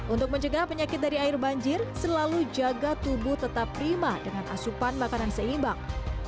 untuk mencegah penyakit dari air banjir selalu jaga tubuh tetap prima dengan asupan makanan seimbang